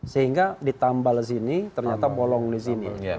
sehingga ditambal sini ternyata bolong di sini